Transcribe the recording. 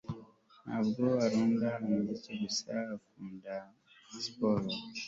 Ntabwo akunda umuziki gusa ahubwo anakunda siporo